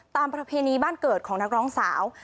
ประเพณีบ้านเกิดของนักร้องสาว